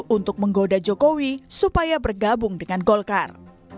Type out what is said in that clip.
untuk menggoda jokowi supaya bergabung dengan golkar